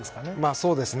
そうですね。